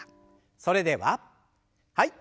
それでははい。